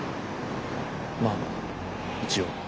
まあ一応。